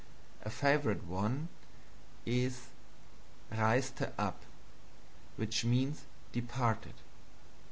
A favorite one is REISTE AB which means departed.